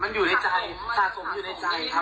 สะสมอยู่ในใจครับ